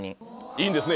いいんですね？